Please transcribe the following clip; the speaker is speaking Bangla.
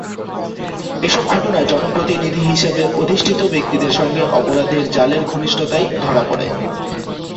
এসব ঘটনায় জনপ্রতিনিধি হিসেবে অধিষ্ঠিত ব্যক্তিদের সঙ্গে অপরাধের জালের ঘনিষ্ঠতাই ধরা পড়ে।